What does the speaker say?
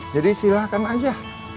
jadi silahkan aja